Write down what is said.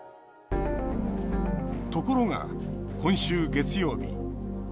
ところが、今週月曜日